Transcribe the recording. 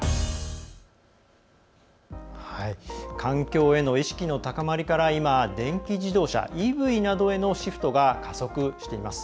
環境への意識の高まりから今、電気自動車＝ＥＶなどへのシフトが加速しています。